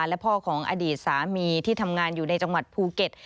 และพ่อของอดีตสามีที่ทำงานอยู่ในจังหวัดภูเก็ต